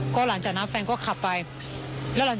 ก็หลังจากนั้นแฟนก็ขับไป